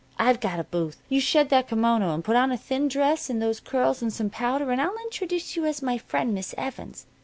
I've got a booth. You shed that kimono, and put on a thin dress and those curls and some powder, and I'll introduce you as my friend, Miss Evans.